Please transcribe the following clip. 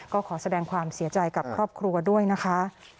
ก็ขอแสดงความเสียใจกับครอบครัวด้วยนะคะ